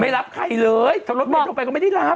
ไม่รับใครเลยโทรไปก็ไม่ได้รับ